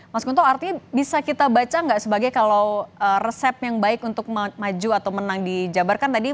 mas guntur artinya bisa kita baca nggak sebagai kalau resep yang baik untuk maju atau menang di jabarkan tadi